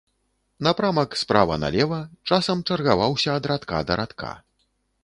Напрамак справа налева, часам чаргаваўся ад радка да радка.